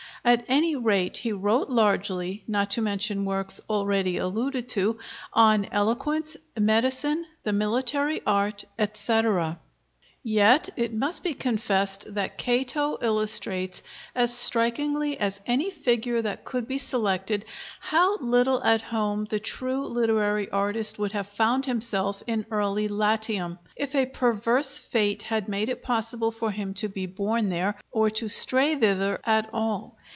At any rate, he wrote largely not to mention works already alluded to on eloquence, medicine, the military art, etc. Yet it must be confessed that Cato illustrates, as strikingly as any figure that could be selected, how little at home the true literary artist would have found himself in early Latium, if a perverse fate had made it possible for him to be born there, or to stray thither, at all.